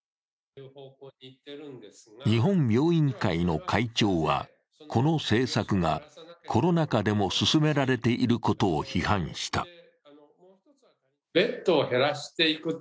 日本病院会の会長は、この政策がコロナ禍でも進められていることを批判した。